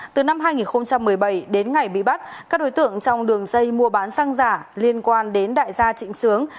từ năm hai nghìn một mươi bảy đến ngày bị bắt các đối tượng trong đường dây mua bán xăng giả liên quan đến đại gia trịnh sướng